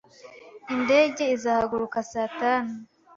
Indege izahaguruka saa tanu.